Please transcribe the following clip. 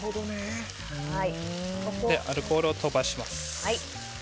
アルコールを飛ばします。